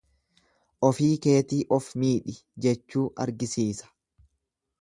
Ofii keetii of miidhi jechuu argisiisa.